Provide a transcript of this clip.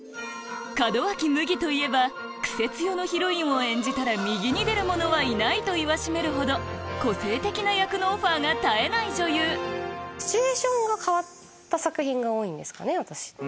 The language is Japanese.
門脇麦といえば「癖強のヒロインを演じたら右に出る者はいない」と言わしめるほど個性的な役のオファーが絶えない女優シチュエーションが変わった作品が多いんですかね。